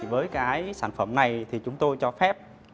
với cái sản phẩm này thì chúng tôi cho phép